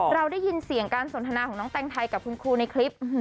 เราได้ยินเสียงการสนทนาของน้องแตงไทยกับคุณครูในคลิป